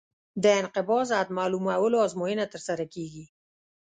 د انقباض حد معلومولو ازموینه ترسره کیږي